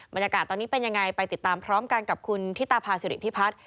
บรรยากาศตอนนี้เป็นยังไงไปติดตามพร้อมกันกับคุณธิตาภาษิริพิพัฒน์